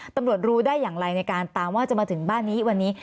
ตำรวจรู้ได้อย่างไรในการตามว่าจะมาถึงบ้านนี้วันนี้